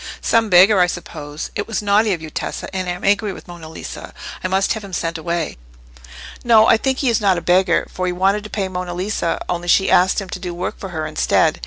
"Some beggar, I suppose. It was naughty of you, Tessa, and I am angry with Monna Lisa. I must have him sent away." "No, I think he is not a beggar, for he wanted to pay Monna Lisa, only she asked him to do work for her instead.